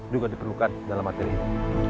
juga diperlukan dalam materi ini